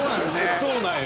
そうなんよ。